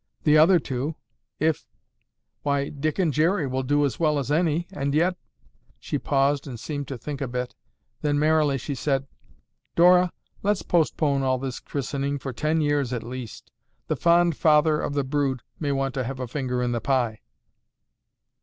The other two—if—why, Dick and Jerry will do as well as any, and yet," she paused and seemed to think a bit, then merrily she said, "Dora, let's postpone all this christening for ten years at least. The fond father of the brood may want to have a finger in the pie."